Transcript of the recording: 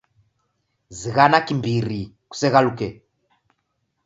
Zighana kiimbiri, kuseghaluke